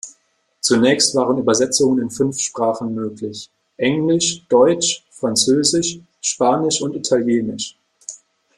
Zunächst waren Übersetzungen in fünf Sprachen möglich: Englisch, Deutsch, Französisch, Spanisch und Italienisch.